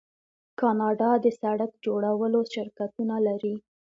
کاناډا د سړک جوړولو شرکتونه لري.